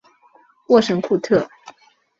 沃什库特。